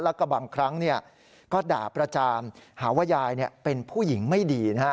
แล้วก็บางครั้งก็ด่าประจามหาว่ายายเป็นผู้หญิงไม่ดี